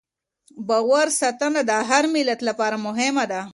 باور ساتنه د هر ملت لپاره مهمه ده.